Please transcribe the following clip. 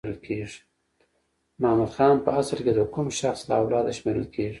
محمد خان په اصل کې د کوم شخص له اولاده شمیرل کیږي؟